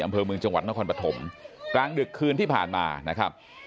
อำเภอเมืองจังหวัดนครปฐมกลางดึกคืนที่ผ่านมานะครับ